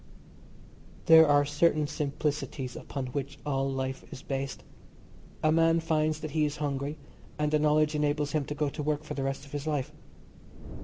There are certain simplicities upon which all life is based. A man finds that he is hungry and the knowledge enables him to go to work for the rest of his life.